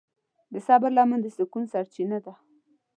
د صبر لمن د سکون سرچینه ده.